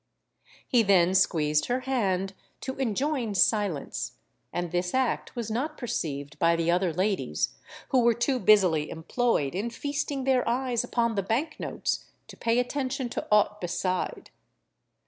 He then squeezed her hand to enjoin silence; and this act was not perceived by the other ladies, who were too busily employed in feasting their eyes upon the Bank notes to pay attention to aught beside.